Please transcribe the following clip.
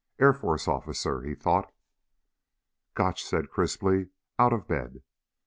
Air Force officer, he thought. Gotch said crisply; "Out of bed."